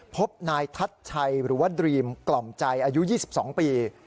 พบนายทัชชัยหรือว่าดรีมกล่อมใจอายุ๒๒ปี